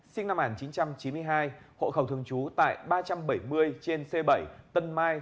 sinh năm một nghìn chín trăm chín mươi hai hộ khẩu thường trú tại ba trăm bảy mươi trên c bảy tân mai